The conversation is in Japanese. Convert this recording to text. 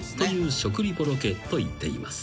［食リポロケと言っています］